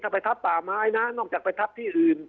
ถ้าไปทับป่าไม้นะนอกจากไปทับที่อื่น